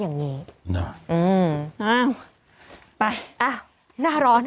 อ้าวหน้าร้อน